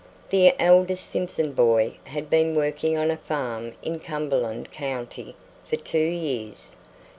The eldest Simpson boy had been working on a farm in Cumberland County for two years.